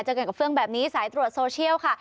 เจอกันกับเฟื่องแบบนี้สายตรวจโซเชียลค่ะ